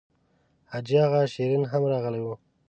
حاجي اغا شېرین هم راغلی و.